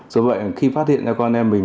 do vậy khi phát hiện ra con em mình